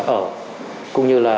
ở cũng như là